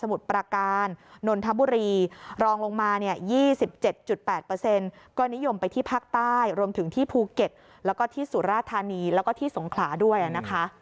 วัฒนีและที่สงขราด้วยอะนะคะ